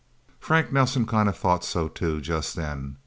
Frank Nelsen kind of thought so, too, just then.